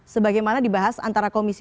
sebagaimana dibahas antara komisi